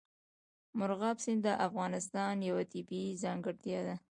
مورغاب سیند د افغانستان یوه طبیعي ځانګړتیا ده.